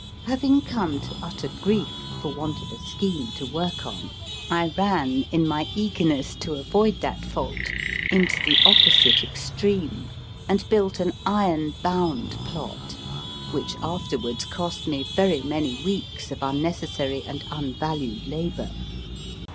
Having come to utter grief for want of a scheme to work on, I ran, in my eagerness to avoid that fault, into the opposite extreme, and built an iron THEY INVESTED HIM WITH THE MEDAL bound plot, which afterwards cost me very many weeks of unnecessary and unvalued labour.